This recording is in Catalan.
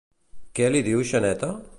Què li diu Xaneta?